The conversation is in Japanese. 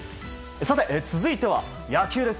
続いては、野球です。